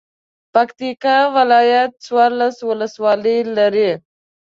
پکتیا ولایت څوارلس ولسوالۍ لري.